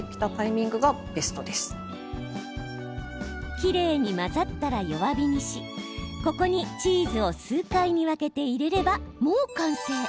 きれいに混ざったら、弱火にしここにチーズを数回に分けて入れれば、もう完成。